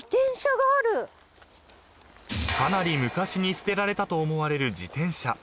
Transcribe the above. ［かなり昔に捨てられたと思われる］